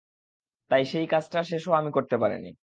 তাই সেই কাজটা শেষও আমি করতে পারিনি।